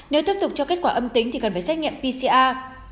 nếu tiếp tục cho kết quả âm tính thì cần phải xét nghiệm pcr